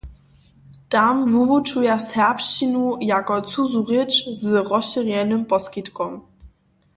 Tam wuwučuja serbšćinu jako cuzu rěč z rozšěrjenym poskitkom.